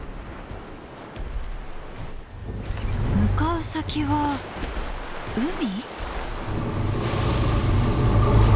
向かう先は海？